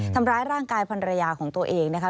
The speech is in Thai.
ทำร้ายร่างกายภรรยาของตัวเองนะคะ